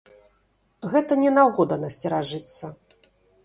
Гэта не нагода насцеражыцца.